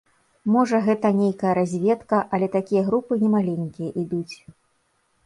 Можа, гэта нейкая разведка, але такія групы не маленькія ідуць.